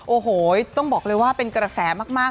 โอ้โหต้องบอกเลยว่าเป็นกระแสมาก